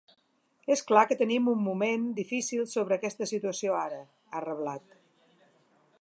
És clar que tenim un moment difícil sobre aquesta situació ara, ha reblat.